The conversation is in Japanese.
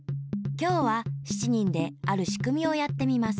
今日は７人であるしくみをやってみます。